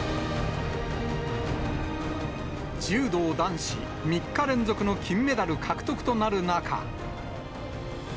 柔道男子３日連続の金メダル獲得となる中。